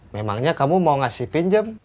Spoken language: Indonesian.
memangnya kamu mau ngasih pinjam